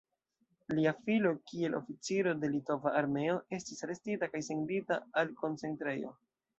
Lia filo, kiel oficiro de litova armeo, estis arestita kaj sendita al koncentrejo.